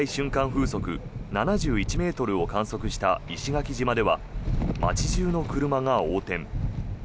風速７１ｍを観測した石垣島では町中の車が横転。